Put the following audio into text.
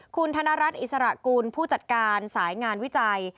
คุณธนรัฐอิสระกุลผู้จัดการสายงานวิจัย